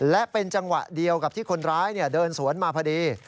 และเป็นจังหวะเดียวกับที่คนร้ายเดินสวนมาพอดี